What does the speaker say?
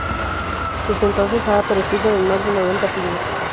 Desde entonces, ha aparecido en más de noventa filmes.